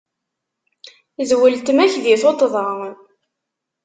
D weltma-k di tuṭṭda.